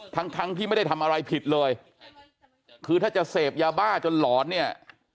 ทั้งทั้งที่ไม่ได้ทำอะไรผิดเลยคือถ้าจะเสพยาบ้าจนหลอนเนี่ย